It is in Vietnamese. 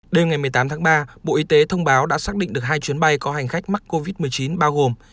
đêm ngày một mươi tám tháng ba bộ y tế thông báo đã xác định được hai chuyến bay có hành khách mắc covid một mươi chín bao gồm